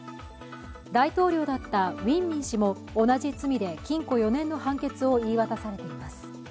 大統領だったウィン・ミン氏も同じ罪で禁錮４年の判決を言い渡されています。